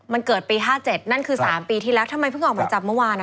มันเกิดปี๕๗นั่นคือ๓ปีที่แล้วทำไมเพิ่งออกหมายจับเมื่อวาน